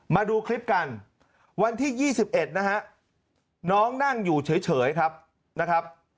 มาดูคลิปกันวันที่๒๑นะฮะน้องนั่งอยู่เฉยครับนะครับ